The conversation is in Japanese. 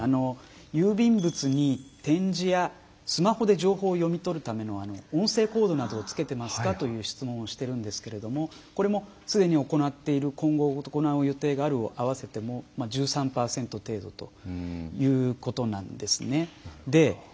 郵便物に点字やスマホで情報を読み取るための音声コードなどをつけてますかという質問をしているんですけれどこれもすでに行っている今後行う予定があるを合わせても１３％程度ということなんですね。